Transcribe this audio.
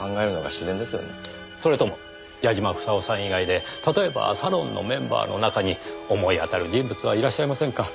それとも矢嶋房夫さん以外で例えばサロンのメンバーの中に思い当たる人物はいらっしゃいませんか？